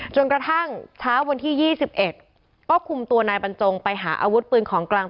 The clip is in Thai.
จนกระทั่งเช้าวันที่๒๑ก็คุมตัวนายบรรจงไปหาอาวุธปืนของกลาง